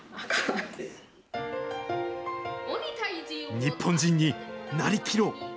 日本人になりきろう。